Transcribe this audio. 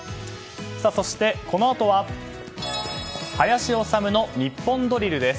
そしてこのあとは「林修のニッポンドリル」です。